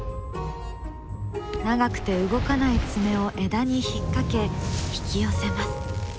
長くて動かない爪を枝に引っ掛け引き寄せます。